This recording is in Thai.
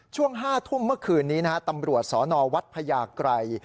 ช่วง๕ทุ่มเมื่อคืนนี้นะฮะตำรวจสนวัดพญาไกร